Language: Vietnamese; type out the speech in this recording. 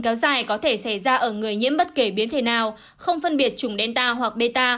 và ở người nhiễm bất kể biến thể nào không phân biệt chủng delta hoặc beta